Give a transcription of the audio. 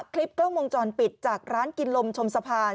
คลิปกล้องวงจรปิดจากร้านกินลมชมสะพาน